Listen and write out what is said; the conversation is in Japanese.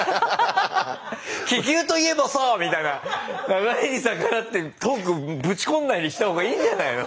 「気球といえばさあ！」みたいな流れに逆らってトークぶち込んだりした方がいいんじゃないの？